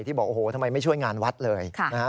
บอกโอ้โหทำไมไม่ช่วยงานวัดเลยนะฮะ